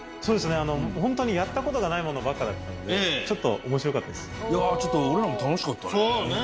ホントにやったことがないものばっかだったのでちょっと俺らも楽しかったね